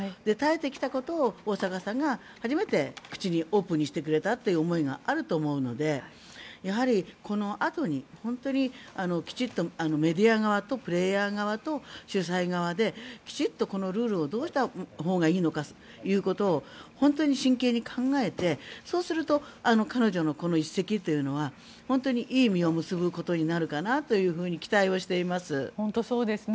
耐えてきたことを大坂さんが初めてオープンにしてくれたという思いがあると思うのでやはりこのあとに本当にきちっとメディア側とプレーヤー側と主催側できちんとルールをどうしたほうがいいのかということを、真剣に考えてそうすると彼女の一石というのは本当にいい実を結ぶことになるかなと本当にそうですね。